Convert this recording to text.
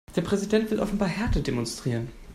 Der Präsident will offenbar Härte demonstrieren.